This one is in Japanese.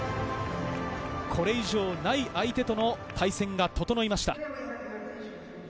これ以上ない相手との対戦が整いました。